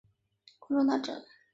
关中大震。